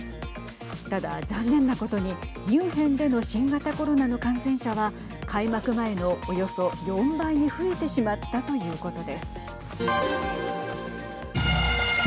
ただ、残念なことにミュンヘンでの新型コロナの感染者は開幕前のおよそ４倍に増えてしまったということです。